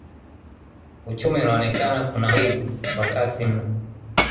Uchumi unaonekana kunawiri kwa kasi mno.